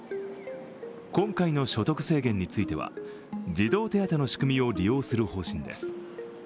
今回の所得制限については、児童手当の仕組みを利用する方針です。